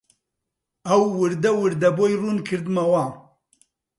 ئەو وردوردە بۆی ڕوون کردمەوە